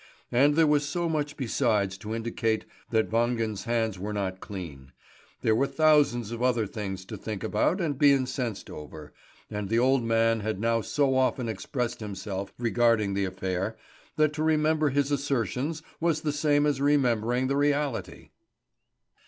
And there was so much besides to indicate that Wangen's hands were not clean; there were thousands of other things to think about and be incensed over, and the old man had now so often expressed himself regarding the affair, that to remember his assertions was the same as remembering the reality.